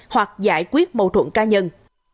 hoặc giải quyết mâu thuẫn ca nhân